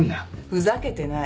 ふざけてない。